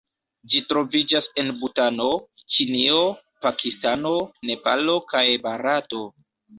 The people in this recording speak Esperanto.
Ĝi troviĝas en Butano, Ĉinio, Pakistano, Nepalo kaj Barato.